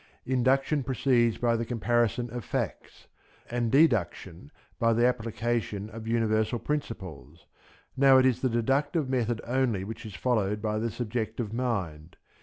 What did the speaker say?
Induction proceeds by the comparison of facts, and deduction by the application of universal principles. Now it is the deductive method only which is followed by the subjective mind.